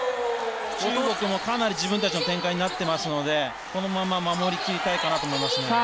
中国、かなり自分たちの展開になっているのでこのまま守りきりたいかなと思いますね。